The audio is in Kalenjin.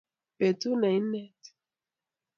petut neinet